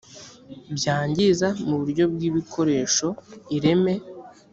byangiza mu buryo bw ibikoresho ireme